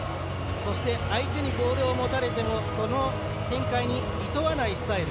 そして相手にボールを持たれても展開にいとわないスタイル。